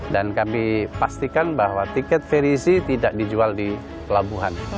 dan kami pastikan bahwa tiket ferizi tidak dijual di pelabuhan